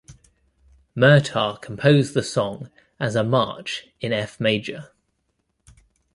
Murtagh composed the song as a march in F major.